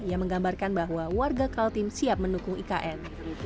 ia menggambarkan bahwa warga kaltim siap mendukung ikn